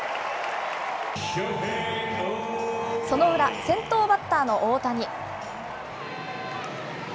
その裏、先頭バッターの大谷。